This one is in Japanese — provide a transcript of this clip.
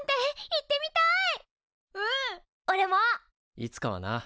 いつかはな。